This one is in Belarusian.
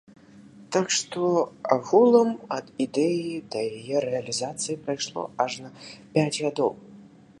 Так што агулам ад ідэі да яе рэалізацыі прайшло ажно пяць гадоў.